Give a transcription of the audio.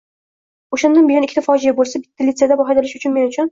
Oʻshanda dunyoda ikkita fojia boʻlsa, bittasi litseydan haydalish edi men uchun.